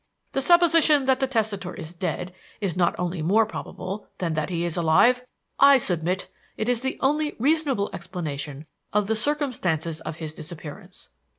The supposition that the testator is dead is not only more probable than that he is alive; I submit it is the only reasonable explanation of the circumstances of his disappearance.